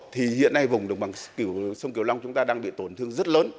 thì hiện nay vùng đồng bằng sông kiều long chúng ta đang bị tổn thương rất lớn